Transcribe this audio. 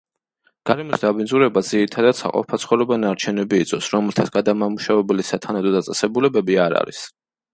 გარემოს დაბინძურებას ძირითადად საყოფაცხოვრებო ნარჩენები იწვევს, რომელთა გადამამუშავებელი სათანადო დაწესებულებები არ არის.